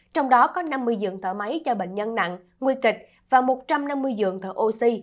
trong đó có năm mươi giường thở máy cho bệnh nhân nặng nguy kịch và một trăm năm mươi giường thở oxy